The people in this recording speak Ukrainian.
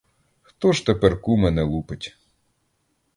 Хто ж тепер, куме, не лупить?